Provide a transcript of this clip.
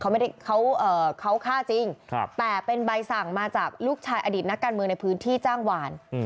เขาไม่ได้เขาฆ่าจริงแต่เป็นใบสั่งมาจากลูกชายอดีตนักการเมืองในพื้นที่จ้างหวาน